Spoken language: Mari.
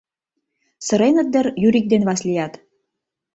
Сыреныт дыр Юрик ден Васлият?